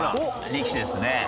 力士ですね。